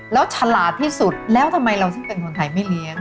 แล้วฉลาดที่สุดแล้วทำไมเราซึ่งเป็นคนไทยไม่เลี้ยง